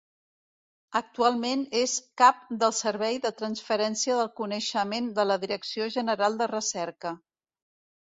Actualment és Cap del servei de transferència del Coneixement de la Direcció General de Recerca.